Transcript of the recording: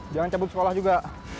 jangan cabut sekolah juga